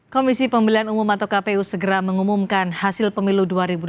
komisi pemilihan umum atau kpu segera mengumumkan hasil pemilu dua ribu dua puluh